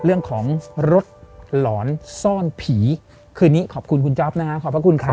เรื่องของรถหลอนซ่อนผีคืนนี้ขอบคุณคุณจ๊อปนะฮะขอบพระคุณครับ